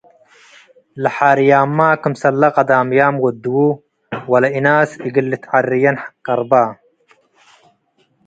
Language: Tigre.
ለሓርያምመ ክምሰለ ቀዳምያም ወደዉ ወለእናስ እግል ልትዐርየን ቀርበ።